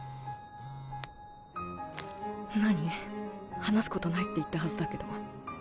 話すことないって言ったはずだけど。